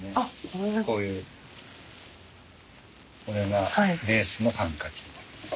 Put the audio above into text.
こういうこれがレースのハンカチになります。